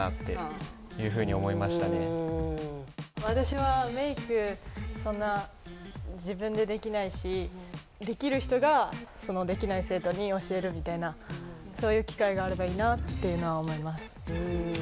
私はメイクそんな自分でできないしできる人ができない生徒に教えるみたいなそういう機会があればいいなっていうのは思います。